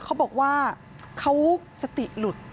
เขาบอกว่าเขาสติหลุด